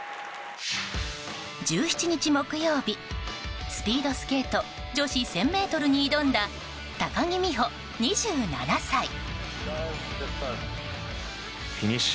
１７日、木曜日スピードスケート女子１０００ｍに挑んだ高木美帆、２７歳。